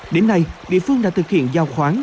đến nay địa phương đã thực hiện giao khoáng